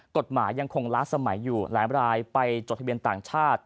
กฎหมายยังคงล้าสมัยอยู่หลายรายไปจดทะเบียนต่างชาติ